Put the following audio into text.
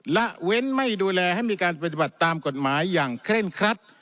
ละเว้นไม่ดูแลให้มีการปฏิบัติตามกฎหมายอย่างเคร่งครัด